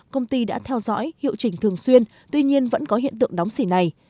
công ty đã theo dõi hiệu chỉnh thường xuyên tuy nhiên vẫn có hiện tượng đóng xỉ này